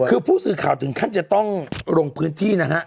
คือผู้สื่อข่าวถึงขั้นจะต้องลงพื้นที่นะฮะ